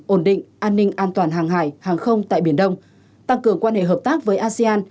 ổn định an ninh an toàn hàng hải hàng không tại biển đông tăng cường quan hệ hợp tác với asean